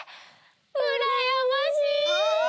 うらやましい！